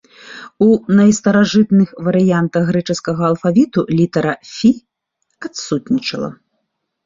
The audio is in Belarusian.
У найстаражытных варыянтах грэчаскага алфавіту літара фі адсутнічала.